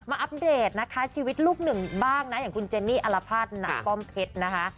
อัปเดตนะคะชีวิตลูกหนึ่งบ้างนะอย่างคุณเจนนี่อลภาษณาป้อมเพชรนะคะ